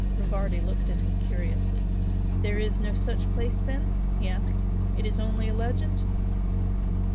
Rivardi looked at him curiously. "There is no such place then?" he asked "It is only a legend?"